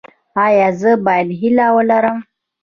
ایا زه باید هیله ولرم؟